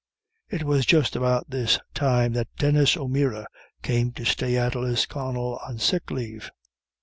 It was just about this time that Denis O'Meara came to stay at Lisconnel on sick leave.